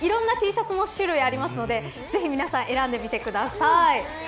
Ｔシャツもいろんな種類がありますので、ぜひ皆さん選んでみてください。